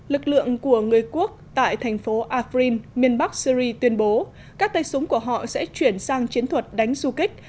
lực lượng của người quốc tại thành phố afrin miền bắc syri tuyên bố các tay súng của họ sẽ chuyển sang chiến thuật đánh du kích